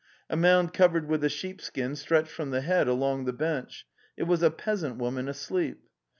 A mound covered with a_ sheepskin stretched from the head along the bench; it was a peasant woman asleep.